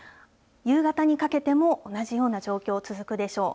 夕方にかけても同じような状況、続くでしょう。